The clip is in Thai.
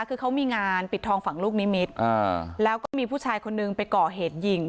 คือเขามีงานปิดทองฝั่งลูกนิมิตรแล้วก็มีผู้ชายคนนึงไปก่อเหตุยิง